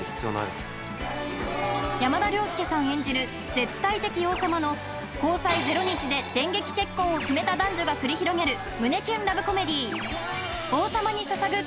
絶対的王様の交際ゼロ日で電撃結婚を決めた男女が繰り広げる胸キュンラブコメディー